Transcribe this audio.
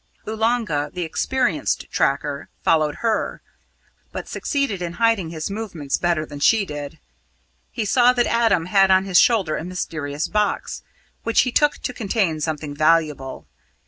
Oolanga, the experienced tracker, followed her, but succeeded in hiding his movements better than she did. He saw that Adam had on his shoulder a mysterious box, which he took to contain something valuable.